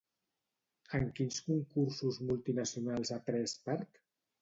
En quins concursos multinacionals ha pres part?